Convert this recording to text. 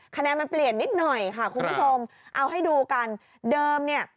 คะแนนมันเปลี่ยนนิดหน่อยค่ะคุณผู้ชมเอาให้ดูกันเดิมเนี่ย